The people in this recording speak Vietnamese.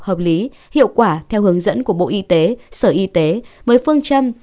hợp lý hiệu quả theo hướng dẫn của bộ y tế sở y tế với phương châm